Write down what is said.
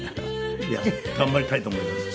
頑張りたいと思います。